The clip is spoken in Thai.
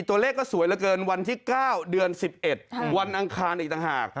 ตัวเลขก็สวยเหลือเกินวันที่๙เดือน๑๑วันอังคารอีกต่างหาก